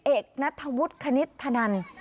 เอกนัทธวุฒิคณิตธนัน